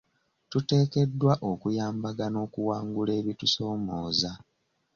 Tuteekeddwa okuyambagana okuwangula ebitusomooza .